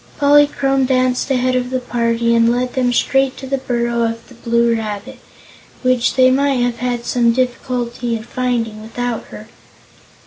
Polychrome danced ahead of the party and led them straight to the burrow of the Blue Rabbit, which they might have had some difficulty in finding without her.